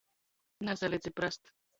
Nasalic i prast.